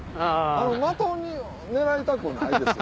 的に狙いたくないですよ